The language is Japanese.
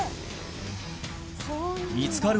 見つかる